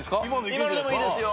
今のでもいいですよ。